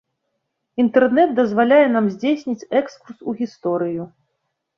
Інтэрнэт дазваляе нам здзейсніць экскурс у гісторыю.